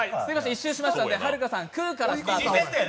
１周しましたので、はるかさん、「く」からスタート。